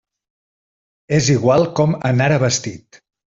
És igual com anara vestit!